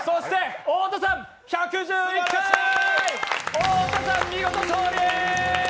太田さん、見事勝利！